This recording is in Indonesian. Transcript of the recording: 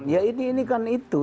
ya ini kan itu